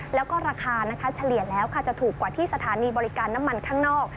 แล้วก็ราคานะคะเฉลี่ยแล้วค่ะจะถูกกว่าที่สถานีบริการน้ำมันข้างนอก